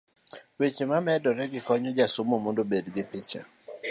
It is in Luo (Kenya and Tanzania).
weche mamedoregi konyo jasomo mondo obed gi picha